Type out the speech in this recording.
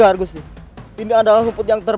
hai ampun gusti semua rumput rumput di sini sangat segar